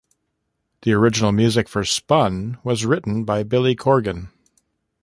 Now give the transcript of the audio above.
The original music for "Spun" was written by Billy Corgan.